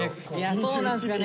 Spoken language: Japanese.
そうなんすかね